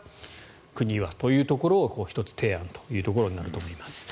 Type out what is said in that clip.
国はというところを１つ提案ということになると思います。